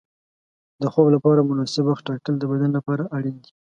د خوب لپاره مناسب وخت ټاکل د بدن لپاره اړین دي.